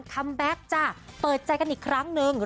คัมแบ็กจะเปิดใจกันอีกครั้งหนึ่ง